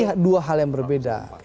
ini dua hal yang berbeda